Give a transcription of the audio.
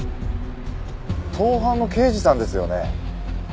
盗犯の刑事さんですよね？